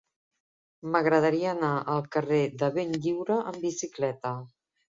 M'agradaria anar al carrer de Benlliure amb bicicleta.